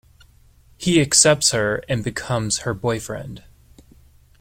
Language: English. He accepts her and becomes her boyfriend.